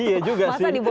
iya juga sih